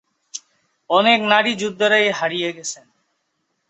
অনেক নারীযোদ্ধারাই হারিয়ে গেছেন।